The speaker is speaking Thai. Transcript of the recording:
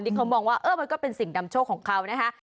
ที่เขามองว่าเออมันก็เป็นสิ่งนำโชคของเขานะคะ